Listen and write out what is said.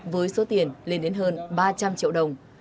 với số tiền lên đến hơn ba trăm linh triệu đồng